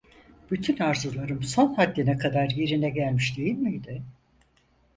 Bütün arzularım son haddine kadar yerine gelmiş değil miydi?